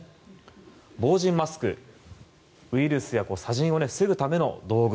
防塵マスク、ウイルスや砂塵を防ぐための道具。